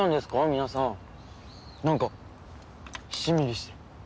皆さんなんかしんみりして。